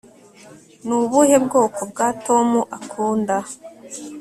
Ni ubuhe bwoko bwa Tom akunda